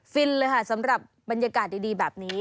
ฟินเลยค่ะสำหรับบรรยากาศดีแบบนี้